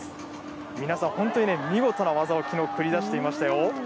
皆さん、本当にね、見事な技をきのう、繰り出していましたよ。